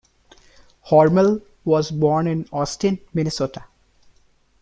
Hormel was born in Austin, Minnesota.